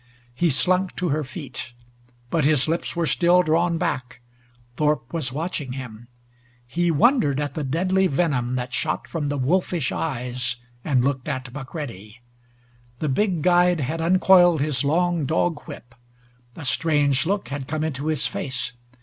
He slunk to her feet. But his lips were still drawn back. Thorpe was watching him. He wondered at the deadly venom that shot from the wolfish eyes, and looked at McCready. The big guide had uncoiled his long dog whip. A strange look had come into his face.